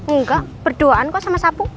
enggak berdoaan kok sama sapu